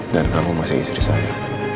dan kamu masih istri saya